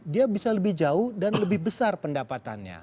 dia bisa lebih jauh dan lebih besar pendapatannya